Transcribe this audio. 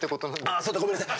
あっそうだごめんなさい。